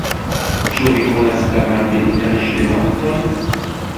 Ĉu vi konas la Malbenitan Ŝlimakvon?